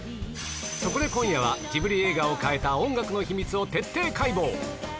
そこで今夜は、ジブリ映画を変えた音楽の秘密を徹底解剖。